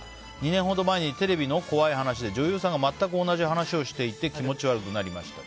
２年ほど前にテレビの怖い話で女優さんが全く同じ話をしていて気持ち悪くなりました。